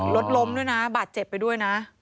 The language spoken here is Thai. รถล้มด้วยนะบาดเจ็บไปด้วยนะ